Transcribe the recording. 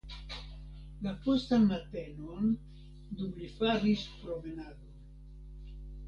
La postan matenon, dum li faris promenadon.